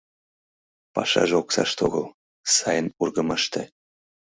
Пашаже оксаште огыл, сайын ургымаште.